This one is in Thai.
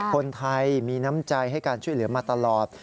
คนไทยมีน้ำใจให้การช่วยเหลือมาตลอด